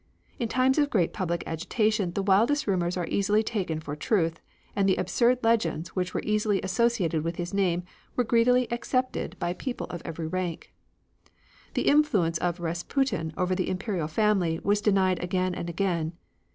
In times of great public agitation the wildest rumors are easily taken for truth and the absurd legends which were easily associated with his name were greedily accepted by people of every rank. The influence of Rasputin over the Imperial family was denied again and again.